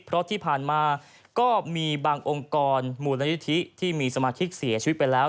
เพราะที่ผ่านมาก็มีบางองค์กรมูลนิธิที่มีสมาชิกเสียชีวิตไปแล้ว